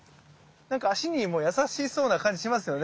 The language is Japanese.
なんか足にも優しそうな感じしますよね。